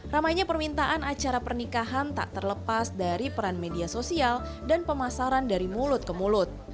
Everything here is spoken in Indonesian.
ramainya permintaan acara pernikahan tak terlepas dari peran media sosial dan pemasaran dari mulut ke mulut